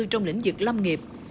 trong lĩnh vực lâm nghiệp